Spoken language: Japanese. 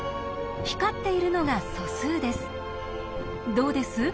どうです？